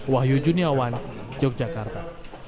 wahyu juniawan yogyakarta